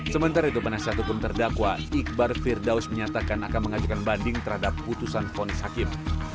sementara itu penasihat hukum terdakwa iqbar firdaus menyatakan akan mengajukan banding terhadap putusan fonis hakim